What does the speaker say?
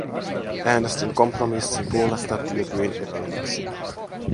Äänestin kompromissin puolesta tietyin epäilyksin.